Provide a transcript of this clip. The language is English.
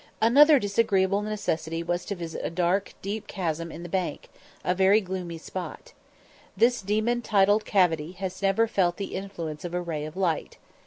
Another disagreeable necessity was to visit a dark, deep chasm in the bank, a very gloomy spot. This demon titled cavity has never felt the influence of a ray of light.